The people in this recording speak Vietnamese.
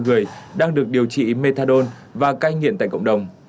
ba bảy trăm hai mươi bốn người đang được điều trị methadone và cai nghiện tại cộng đồng